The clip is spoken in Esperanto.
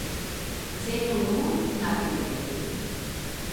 Venu nun, knabinetoj!